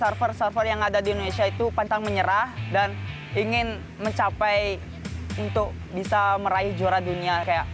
server server yang ada di indonesia itu pantang menyerah dan ingin mencapai untuk bisa meraih juara dunia